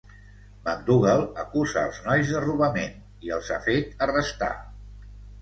McDougal acusa els nois de robament i els ha fet arrestar.